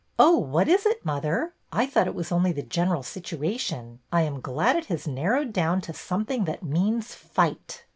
" Oh, what is it, mother ? I thought it was only the general situation. I am glad it has narrowed down to something that means fight."